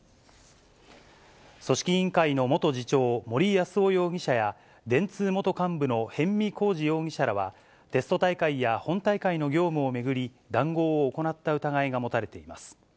組織委員会の元次長、森泰夫容疑者や、電通元幹部の逸見晃治容疑者らは、テスト大会や本大会の業務を巡り、談合を行った疑いが持たれています。